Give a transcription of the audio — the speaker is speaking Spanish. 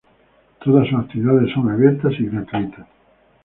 Todas sus actividades son abiertas y gratuitas.